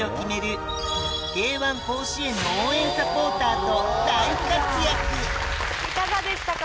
甲子園の応援サポーターと大活躍いかがでしたか？